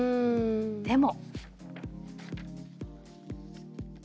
でも。